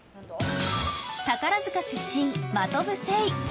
宝塚出身、真飛聖。